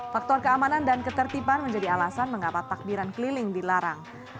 faktor keamanan dan ketertiban menjadi alasan mengapa takbiran keliling dilarang